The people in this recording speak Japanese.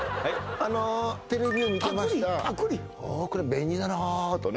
「ああこれ便利だな」とね